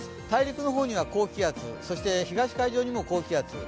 大陸の方には高気圧、東海上にも高気圧。